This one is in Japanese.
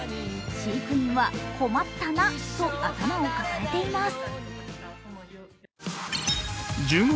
飼育員はこまったなと頭を抱えています。